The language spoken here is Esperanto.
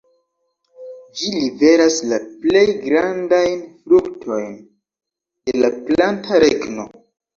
Ĝi liveras la plej grandajn fruktojn de la planta regno.